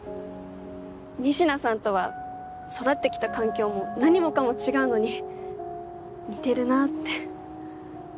仁科さんとは育ってきた環境も何もかも違うのに似てるなって。